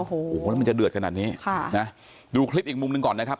โอ้โหแล้วมันจะเดือดขนาดนี้ค่ะนะดูคลิปอีกมุมหนึ่งก่อนนะครับ